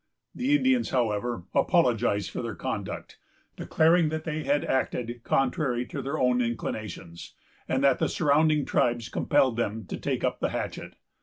The Indians, however, apologized for their conduct, declaring that they acted contrary to their own inclinations, and that the surrounding tribes compelled them to take up the hatchet.